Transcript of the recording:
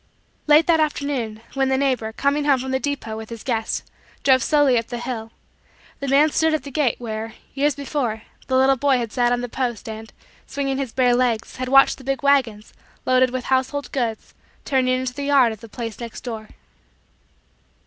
Late that afternoon, when the neighbor, coming from the depot with his guests, drove slowly up the hill, the man stood at the gate where, years before, the little boy had sat on the post, and, swinging his bare legs, had watched the big wagons, loaded with household goods, turning into the yard of the place next door.